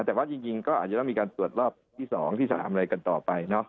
แต่ว่าจริงก็อาจจะต้องมีการตรวจรอบที่๒ที่๓อะไรกันต่อไปเนอะ